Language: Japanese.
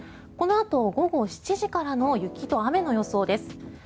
このあと午後７時からの雪と雨の予想です。